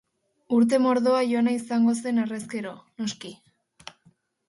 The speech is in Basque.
Urte mordoa joana izango zen harrezkero, noski.